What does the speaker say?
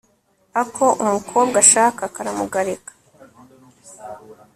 ako umukobwa ashaka karamugarika